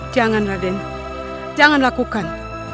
jangan raden jangan lakukan